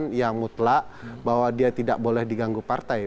kemudian yang mutlak bahwa dia tidak boleh diganggu partai